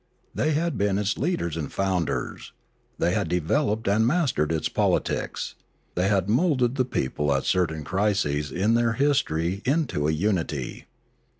They had been its leaders and founders; they had developed and mastered its politics; they had moulded the people at certain crises in their history into a unity.